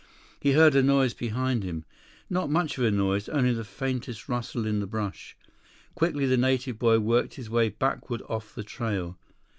He heard a noise behind him. Not much of a noise, only the faintest rustle in the brush. Quickly the native boy worked his way backward off the trail.